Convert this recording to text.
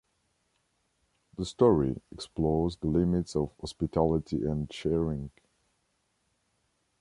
The story explores the limits of hospitality and sharing.